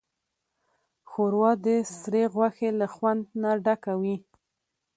ښوروا د سرې غوښې له خوند نه ډکه وي.